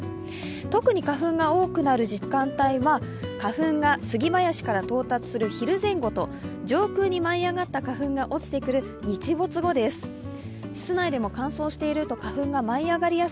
特に花粉が多くなる時間帯は花粉が杉林から到達する昼前後と上空に舞い上がった花粉が落ちてくる日没後です。